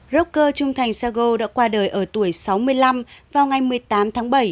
rocker trung thành sago đã qua đời ở tuổi sáu mươi năm vào ngày một mươi tám tháng bảy